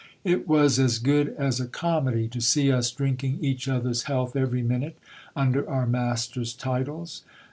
It was as good as a comedy to see us drinking each other's health every minute, under our masters' titles.